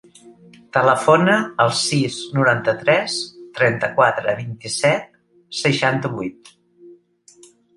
Telefona al sis, noranta-tres, trenta-quatre, vint-i-set, seixanta-vuit.